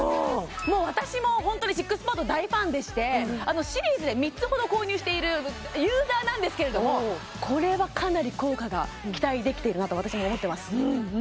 もう私も本当にＳＩＸＰＡＤ大ファンでしてシリーズで３つほど購入しているユーザーなんですけれどもこれはかなり効果が期待できているなと私も思ってます